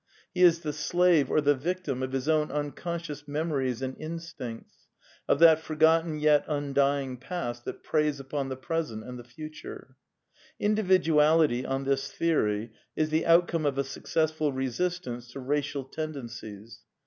He is the slave or the victim of his own unconscious memories and instincts, of that forgotten yet undying past that preys upon the present and l£e future* Individuality, on this theory, is the outcome of a suc cessful resistance to racial tendencies.